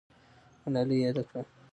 ملالۍ یاده کړه.